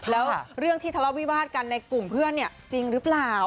แล้วเรื่องที่ทะเลาะวิวาสกันในกลุ่มเพื่อนเนี่ยจริงหรือเปล่า